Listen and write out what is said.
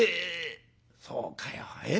そうかよええ？